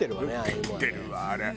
できてるわあれ。